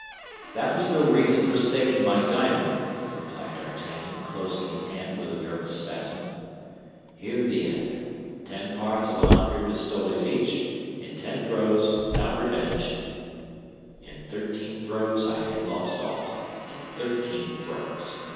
"That was no reason for staking my diamond!" replied D'Artagnan, closing his hand with a nervous spasm. "Hear the end. Ten parts of a hundred pistoles each, in ten throws, without revenge; in thirteen throws I had lost all—in thirteen throws.